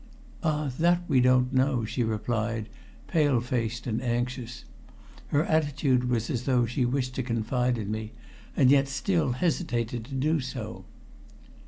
"Ah! that we don't know," she replied, pale faced and anxious. Her attitude was as though she wished to confide in me and yet still hesitated to do so.